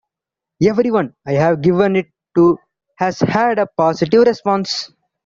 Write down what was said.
Everyone I've given it to has had a positive response.